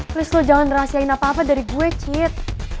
please lo jangan rahasiain apa apa dari gue cid